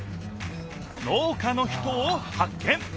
農家の人をはっ見！